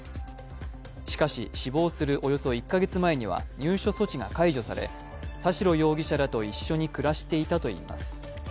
しかし、死亡するおよそ１か月前には入所措置が解除され田代容疑者らと一緒に暮らしていたといいます。